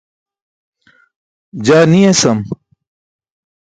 Jaa ni esam.